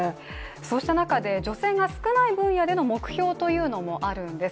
そうした中、女性が少ない分野での目標もあるんです